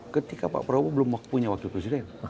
ketika pak prabowo belum punya wakil presiden